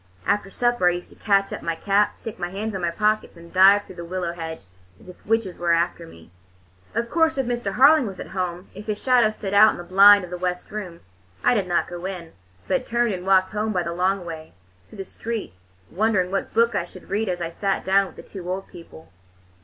After supper I used to catch up my cap, stick my hands in my pockets, and dive through the willow hedge as if witches were after me. Of course, if Mr. Harling was at home, if his shadow stood out on the blind of the west room, I did not go in, but turned and walked home by the long way, through the street, wondering what book I should read as I sat down with the two old people.